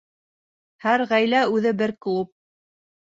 Һәр ғаилә үҙе бер клуб.